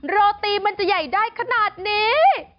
โรตีมันจะใหญ่ได้ขนาดนี้